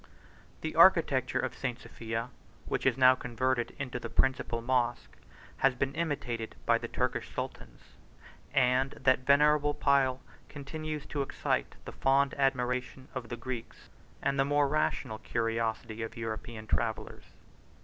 The architecture of St. Sophia, which is now converted into the principal mosque, has been imitated by the Turkish sultans, and that venerable pile continues to excite the fond admiration of the Greeks, and the more rational curiosity of European travellers.